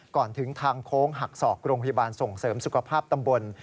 ก่อนถึงทางโค้งหักศอกโรงพยาบาลส่งเสริมสุขภาพตำบล